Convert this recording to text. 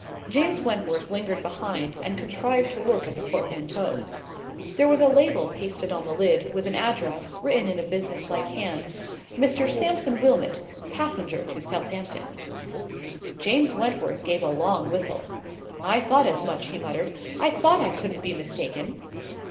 James Wentworth lingered behind, and contrived to look at the portmanteau. There was a label pasted on the lid, with an address, written in a business like hand— "MR. SAMPSON WILMOT, PASSENGER TO SOUTHAMPTON." James Wentworth gave a long whistle. "I thought as much," he muttered; "I thought I couldn't be mistaken!"